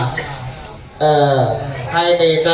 สวัสดีทุกคน